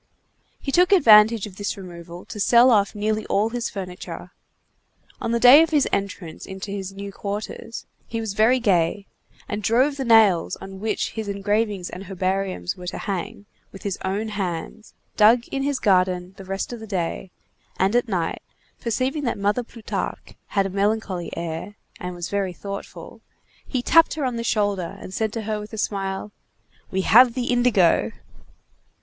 He took advantage of this removal to sell off nearly all his furniture. On the day of his entrance into his new quarters, he was very gay, and drove the nails on which his engravings and herbariums were to hang, with his own hands, dug in his garden the rest of the day, and at night, perceiving that Mother Plutarque had a melancholy air, and was very thoughtful, he tapped her on the shoulder and said to her with a smile: "We have the indigo!"